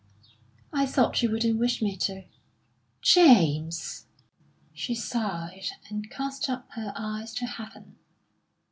"I thought you wouldn't wish me to." "James!" She sighed and cast up her eyes to heaven.